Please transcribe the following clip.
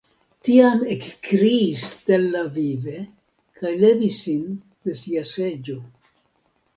Tiam ekkriis Stella vive kaj levis sin de sia seĝo.